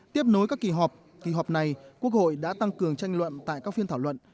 tiếp nối các kỳ họp kỳ họp này quốc hội đã tăng cường tranh luận tại các phiên thảo luận